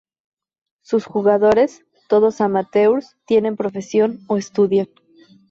Sus jugadores, todos amateurs, tienen profesión o estudian.